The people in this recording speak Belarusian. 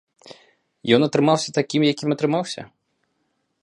Ён атрымаўся такім, якім атрымаўся.